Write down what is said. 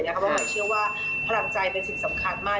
เพราะหมายเชื่อว่าพลังใจเป็นสิ่งสำคัญมาก